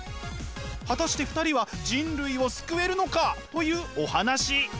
果たして２人は人類を救えるのか？というお話。